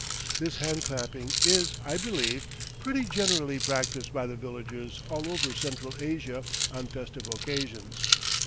This hand clapping is, I believe, pretty generally practiced by the villagers all over Central Asia on festive occasions.